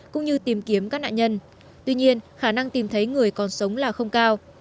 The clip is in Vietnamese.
cũng như tìm kiếm các nạn nhân tuy nhiên khả năng tìm thấy người còn sống là không cao